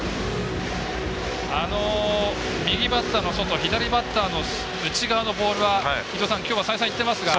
右バッターの外左バッターの内側のボールはきょうは再三言っていますが。